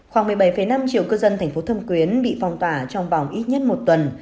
khoảng một mươi bảy năm triệu cư dân thành phố thâm quyến bị phong tỏa trong vòng ít nhất một tuần